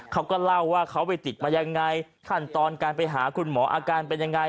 เขาก็เล่าว่าเขาไปติดมายังไงขั้นตอนการไปหาคุณหมออาการเป็นยังไง